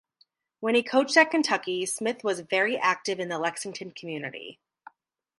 When he coached at Kentucky, Smith was very active in the Lexington community.